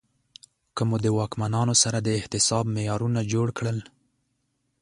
که مو د واکمنانو سره د احتساب معیارونه جوړ کړل